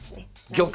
玉！